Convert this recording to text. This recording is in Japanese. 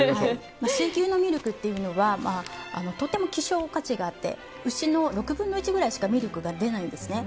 水牛のミルクというのはとても希少価値があって牛の６分の１くらいしかミルクが出ないんですね。